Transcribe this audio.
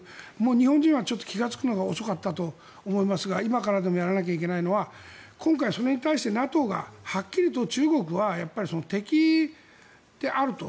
日本人は気が付くのが遅かったと思いますが今からでもやらなきゃいけないのは今回それに対してはＮＡＴＯがはっきりと中国は敵であると。